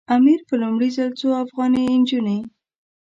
امیر په لومړي ځل څو افغاني نجونې.